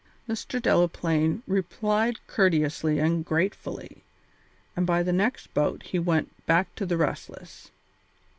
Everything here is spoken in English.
Mr. Delaplaine replied courteously and gratefully, and by the next boat he went back to the Restless.